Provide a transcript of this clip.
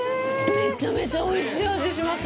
めちゃめちゃおいしい味します。